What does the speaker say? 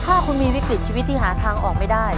ถ้าคุณมีวิกฤตชีวิตที่หาทางออกไม่ได้